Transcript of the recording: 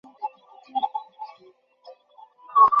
তবে লোকসান হওয়ায় মূলধন প্রায় শেষ হয়ে গেছে।